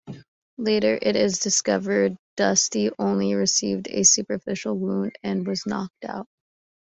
Later it is discovered Dusty only received a superficial wound and was knocked out.